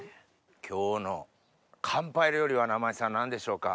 今日の乾杯料理は生井さん何でしょうか？